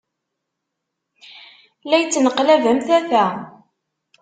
La ittneqlab am tata.